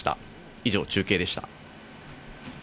以上、中継でした。